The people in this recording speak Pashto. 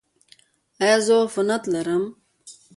ایا زه عفونت لرم؟